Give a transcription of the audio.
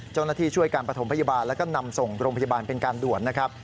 เจ้าหน้าที่ช่วยการประถมพยาบาลแล้วก็นำส่งโรงพยาบาลเป็นการด่วนนะครับ